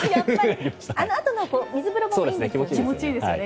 あのあとの水風呂も気持ちいいんですよね。